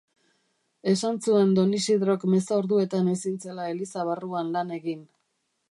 Esan zuen don Isidrok meza orduetan ezin zela eliza barruan lan egin.